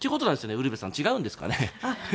ウルヴェさん、違うんですか？